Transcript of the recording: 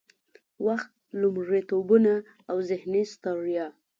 وخت، لومړيتوبونه او ذهني ستړيا